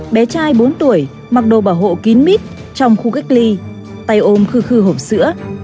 bé trai bốn tuổi mặc đồ bảo hộ kín mít trong khu cách ly tay ôm khử khư hộp sữa